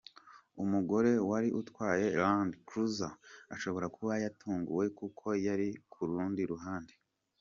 Umugore wari utwaye Land Cruiser ashobora kuba yatunguwe kuko yari ku rundi ruhande.